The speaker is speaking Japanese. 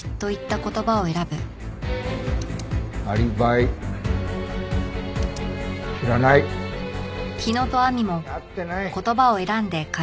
「アリバイ」「知らない」「やってない」。